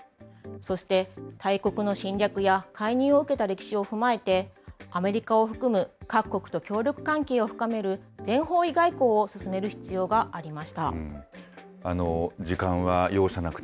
そして大国の侵略や介入を受けた歴史を踏まえて、アメリカを含む各国と協力関係を深める全方位外交を進める必要が時間は容赦なく